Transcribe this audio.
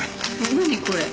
何これ。